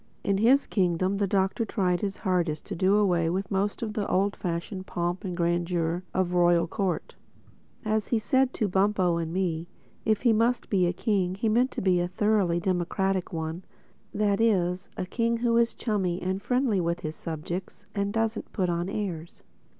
In his kingdom the Doctor tried his hardest to do away with most of the old fashioned pomp and grandeur of a royal court. As he said to Bumpo and me, if he must be a king he meant to be a thoroughly democratic one, that is a king who is chummy and friendly with his subjects and doesn't put on airs.